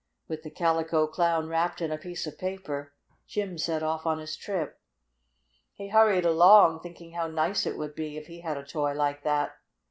With the Calico Clown wrapped in a piece of paper, Jim set off on his trip. He hurried along, thinking how nice it would be if he had a toy like that.